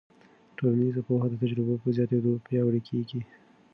ټولنیز پوهه د تجربو په زیاتېدو پیاوړې کېږي.